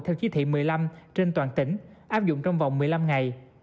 theo chí thị một mươi năm trên toàn tỉnh áp dụng trong vòng một mươi năm ngày